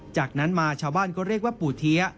จากนั้นมาชาวบ้านก็เรียกว่าปู่เทีย